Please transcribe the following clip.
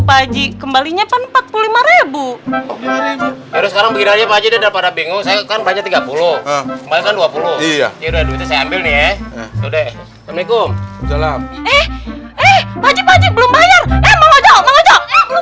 pak haji kembalinya pak rp empat puluh lima sekarang begini aja pak haji dia pada bingung saya